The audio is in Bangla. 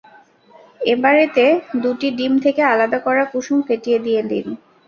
এবার এতে দুটি ডিম থেকে আলাদা করা কুসুম ফেটিয়ে দিয়ে দিন।